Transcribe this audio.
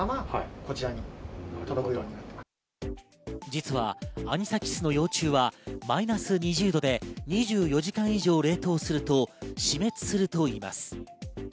実はアニサキスの幼虫はマイナス２０度で２４時間以上冷凍すると死滅するといいます。